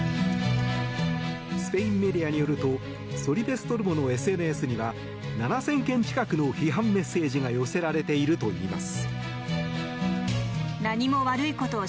スペインメディアによるとソリベストルモのＳＮＳには７０００件近くの批判メッセージが寄せられているといいます。